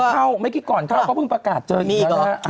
เมื่อกี้ก่อนเข้าก็เพิ่งประกาศเจออีกแล้วนะฮะ